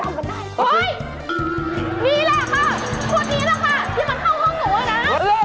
อย่ามาเข้าห้องหนูล่ะนะ